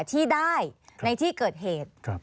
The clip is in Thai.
ที่ได้ในที่เกิดเหตุ